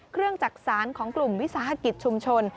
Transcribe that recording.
เครื่องจักษานของกลุ่มวิสาหกิจชุมชน